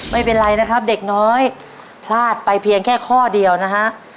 ไม่เป็นไรนะครับเด็กน้อยพลาดไปเพียงแค่ข้อเดียวนะฮะ